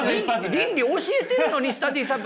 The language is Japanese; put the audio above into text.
倫理教えてるのにスタディサプリで。